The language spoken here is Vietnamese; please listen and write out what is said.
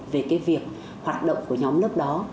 về việc hoạt động của nhóm lớp đó